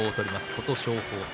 琴勝峰戦。